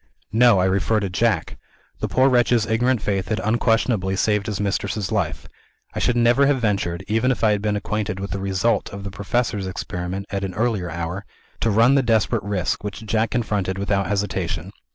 "No; I refer to Jack. The poor wretch's ignorant faith had unquestionably saved his mistress's life. I should never have ventured (even if I had been acquainted with the result of the Professor's experiment, at an earlier hour) to run the desperate risk, which Jack confronted without hesitation.